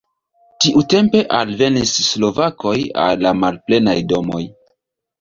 Tiutempe alvenis slovakoj al la malplenaj domoj.